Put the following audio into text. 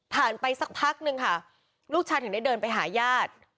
ไปสักพักนึงค่ะลูกชายถึงได้เดินไปหาญาติ